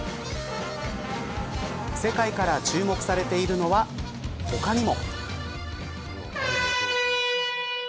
世界から注目されているのは他にも。